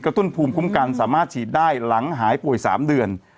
ตุ้นภูมิคุ้มกันสามารถฉีดได้หลังหายป่วย๓เดือน